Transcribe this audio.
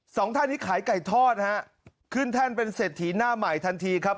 สองท่านนี้ขายไก่ทอดฮะขึ้นแท่นเป็นเศรษฐีหน้าใหม่ทันทีครับ